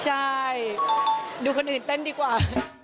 ใช่ดูคนอื่นเต้นดีกว่า